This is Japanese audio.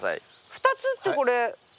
２つってこれ。